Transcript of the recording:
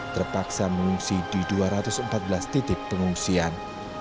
terpaksa mengungsi di dua ratus empat belas titik pengungsian